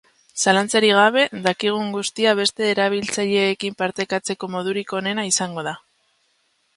Zalantzarik gabe, dakizun guztia beste erabiltzaileekin partekatzeko modurik onena izango da.